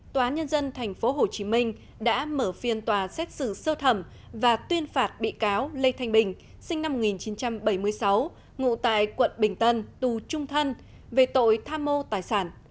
tòa nhân dân tp hcm đã mở phiên tòa xét xử sơ thẩm và tuyên phạt bị cáo lê thanh bình sinh năm một nghìn chín trăm bảy mươi sáu ngụ tại quận bình tân tù trung thân về tội tham mô tài sản